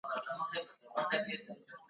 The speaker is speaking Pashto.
هغوی په ګډه د نوي ښارګوټي نقشه جوړوله.